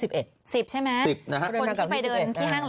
๑๐ใช่ไหมคนที่ไปเดินที่ห้างแหลมทองที่๑๐